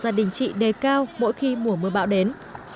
gia đình chị đề cao mỗi khi mùa mưa bão đến